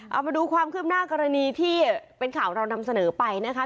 เอามาดูความคืบหน้ากรณีที่เป็นข่าวเรานำเสนอไปนะคะ